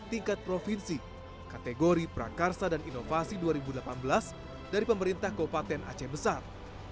tingkat provinsi kategori prakarsa dan inovasi dua ribu delapan belas dari pemerintah kabupaten aceh besar